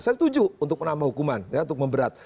saya setuju untuk menambah hukuman ya untuk memberat